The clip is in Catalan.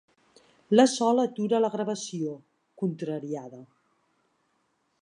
La Sol atura la gravació, contrariada.